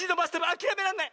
あきらめらんない！